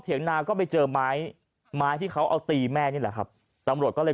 นาก็ไปเจอไม้ไม้ที่เขาเอาตีแม่นี่แหละครับตำรวจก็เลย